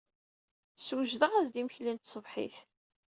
Swejdeɣ-as-d imekli n tṣebḥit.